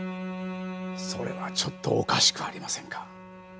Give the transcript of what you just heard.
それはちょっとおかしくありませんか？